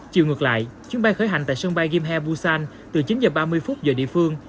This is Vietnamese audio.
chiều ngược lại chuyến bay khởi hành tại sân bay game busan từ chín h ba mươi phút giờ địa phương